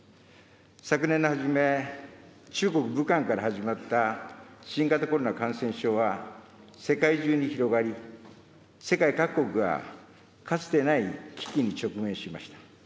昨年の初め、中国・武漢から始まった新型コロナ感染症は、世界中に広がり、世界各国がかつてない危機に直面しました。